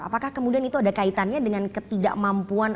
apakah kemudian itu ada kaitannya dengan ketidakmampuan